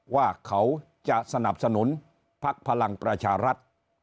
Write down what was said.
ว่าเขาจะสนับสนุนพักพลังประชารัฐ